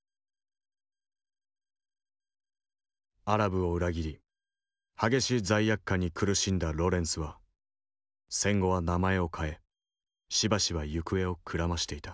アラブを裏切り激しい罪悪感に苦しんだロレンスは戦後は名前を変えしばしば行方をくらましていた。